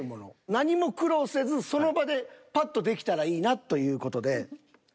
何も苦労せずその場でパッとできたらいいなという事で。